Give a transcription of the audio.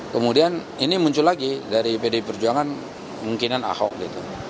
kemudian ini muncul lagi dari pdi perjuangan mungkinan ahok gitu